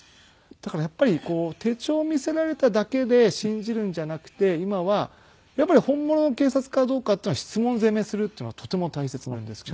だからやっぱり手帳を見せられただけで信じるんじゃなくて今はやっぱり本物の警察かどうかっていうのは質問攻めするっていうのはとても大切なんですね。